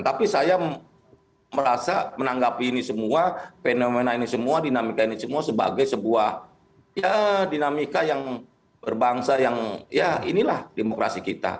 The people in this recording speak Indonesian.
tapi saya merasa menanggapi ini semua fenomena ini semua dinamika ini semua sebagai sebuah ya dinamika yang berbangsa yang ya inilah demokrasi kita